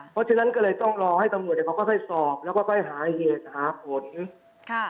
เพราะฉะนั้นก็เลยต้องรอให้ตำหลวงเดี๋ยวเขาก็ไปสอบแล้วก็ไปหาเหตุหาผลค่ะ